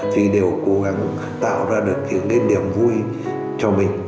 thì đều cố gắng tạo ra được những cái niềm vui